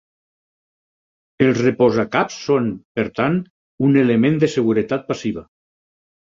Els reposacaps són, per tant, un element de seguretat passiva.